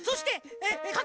えっ？